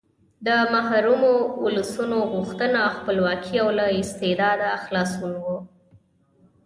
د محرومو ولسونو غوښتنه خپلواکي او له استبداده خلاصون و.